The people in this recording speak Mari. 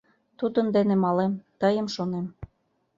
— Тудын дене малем — тыйым шонем.